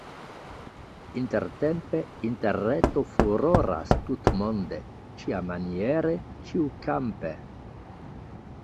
Intertempe Interreto furoras tutmonde, ĉiamaniere, ĉiukampe.